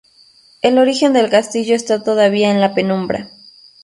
El origen del castillo está todavía en la penumbra.